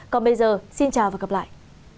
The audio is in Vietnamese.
còn bây giờ xin chào và gặp lại